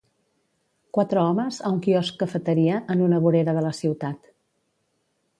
Quatre homes a un quiosc cafeteria en una vorera de la ciutat.